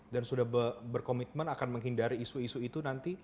dan sudah berkomitmen akan menghindari isu isu itu nanti